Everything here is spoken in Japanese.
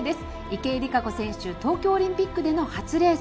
池江璃花子選手東京オリンピックでの初レース。